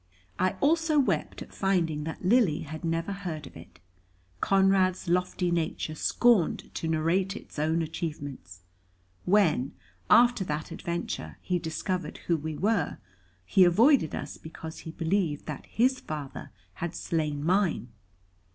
I also wept at finding that Lily had never heard of it. Conrad's lofty nature scorned to narrate its own achievements. When, after that adventure, he discovered who we were, he avoided us because he believed that his father had slain mine.